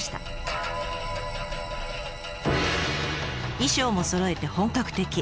衣装もそろえて本格的。